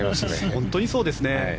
本当にそうですね。